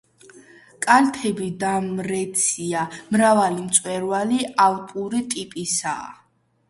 კალთები დამრეცია, მრავალი მწვერვალი ალპური ტიპისაა.